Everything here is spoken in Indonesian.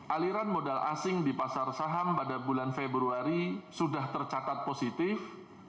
aliran modal asing di pasar saham pada bulan februari sudah tercatat positif